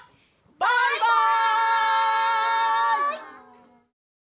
バイバイ！